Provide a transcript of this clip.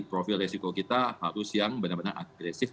profil resiko kita harus yang benar benar agresif